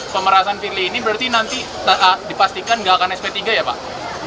pemerasan firly ini berarti nanti dipastikan nggak akan sp tiga ya pak